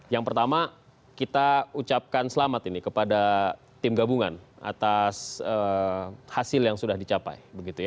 yang pertama kita ucapkan selamat ini kepada tim gabungan atas hasil yang sudah dicapai